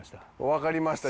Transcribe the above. わかりました。